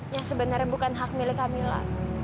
yang sebenarnya bukan hak milik kamila